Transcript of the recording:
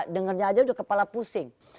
dengarnya aja udah kepala pusing